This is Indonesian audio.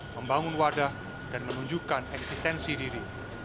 membangun wadah dan menunjukkan eksistensi diri